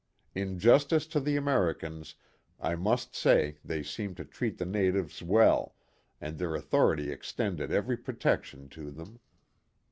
... In justice to the Americans I must say they seemed to treat the natives well and their authority extended every protection to them."